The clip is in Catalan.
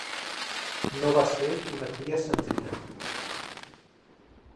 No va ser una tria senzilla.